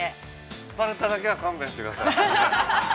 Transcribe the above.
◆スパルタだけは勘弁してください。